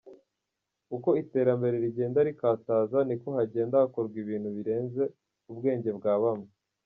Uko iterambere rigenda rikataza, niko hagenda hakorwa ibintu birenze ubwenge bwa bamwe.